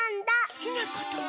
すきなことね？